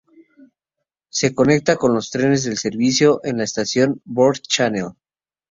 Se conecta con los trenes del servicio en la estación Broad Channel.